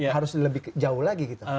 harus lebih jauh lagi gitu